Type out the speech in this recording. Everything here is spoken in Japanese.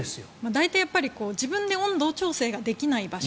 大体、自分で温度調整ができない場所。